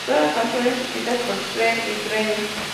Todas las canciones escritas por Schenker y Keeling.